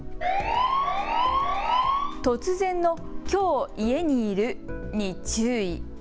突然のきょう家にいる？に注意。